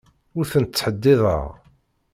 Ur ten-ttḥeddideɣ.